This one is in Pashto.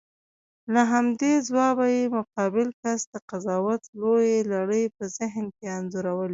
له همدې ځوابه یې مقابل کس د قضاوت لویه لړۍ په ذهن کې انځوروي.